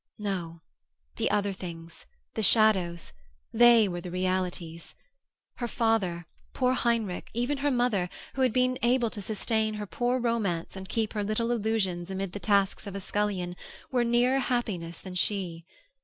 No, the other things, the shadows they were the realities. Her father, poor Heinrich, even her mother, who had been able to sustain her poor romance and keep her little illusions amid the tasks of a scullion, were nearer happiness than she.